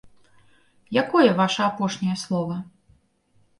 Якое ваша апошняе слова?